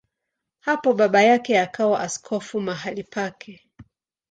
Hapo baba yake akawa askofu mahali pake.